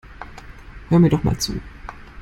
Hör mir doch mal zu.